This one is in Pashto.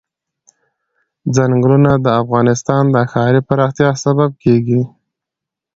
ځنګلونه د افغانستان د ښاري پراختیا سبب کېږي.